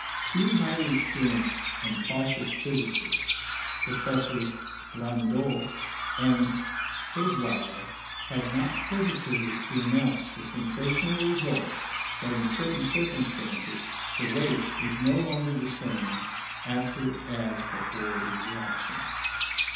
Two highly experienced and cautious physicists, Professors Landolt and Heydweiller, have not hesitated to announce the sensational result that in certain circumstances the weight is no longer the same after as before the reaction.